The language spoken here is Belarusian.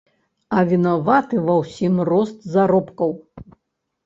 А вінаваты ва ўсім рост заробкаў.